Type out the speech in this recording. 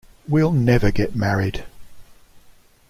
We'll never get married.